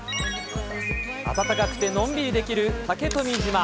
暖かくてのんびりできる竹富島。